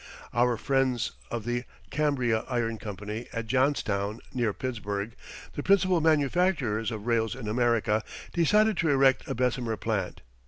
Our friends of the Cambria Iron Company at Johnstown, near Pittsburgh the principal manufacturers of rails in America decided to erect a Bessemer plant.